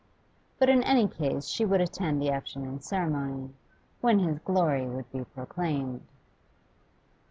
But in any case she would attend the afternoon ceremony, when his glory would be proclaimed.